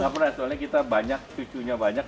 nggak pernah soalnya kita banyak cucunya banyak